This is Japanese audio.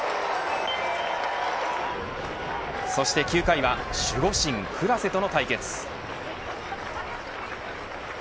そして９回は守護神クラセとの対決。